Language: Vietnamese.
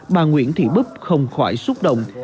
bà nguyễn thị búp không khỏi xúc động